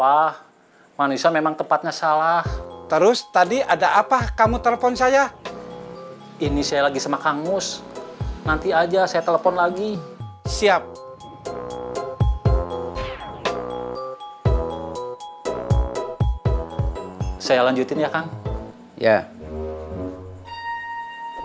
beli mobil dari bagaimana mudah kalian rekening hai harus di diterpati salah terus tadi ada apa kamu telepon saya ini saya lagi semak angus nanti aja saya telepon lagi siap saya lanjut ya kang ya tadi sampai mana ya ugh